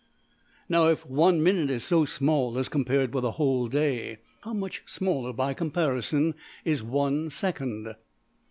Now if one minute is so small as compared with a whole day, how much smaller by comparison is one second!